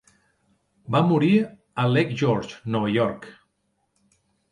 Va morir a Lake George, Nova York.